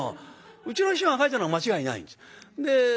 うちの師匠が書いたのは間違いないんです。